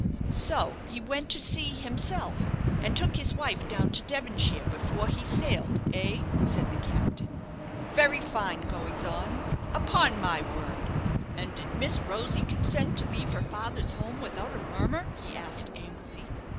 "So he went to sea himself, and took his wife down to Devonshire before he sailed, eh?" said the captain. "Very fine goings on, upon my word! And did Miss Rosy consent to leave her father's home without a murmur?" he asked, angrily.